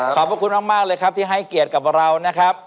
ขอบคุณมากเลยครับที่ให้เกียรติกับเรานะครับ